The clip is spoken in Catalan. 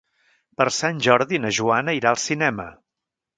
Per Sant Jordi na Joana irà al cinema.